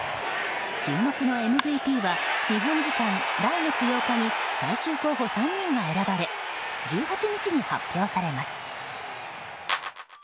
注目のＭＶＰは日本時間来月８日に最終候補３人が選ばれ１８日に発表されます。